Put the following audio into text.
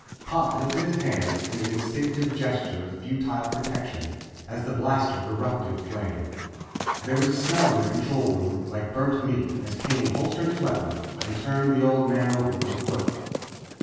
Pop lifted his hands in an instinctive gesture of futile protection as the blaster erupted flame. There was a smell in the control room like burnt meat as Kane holstered his weapon and turned the old man over with a foot.